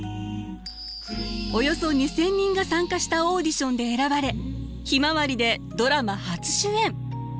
およそ２，０００人が参加したオーディションで選ばれ「ひまわり」でドラマ初主演。